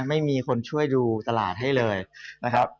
ไม่มีคนช่วยดูตลาดให้เลยนะครับ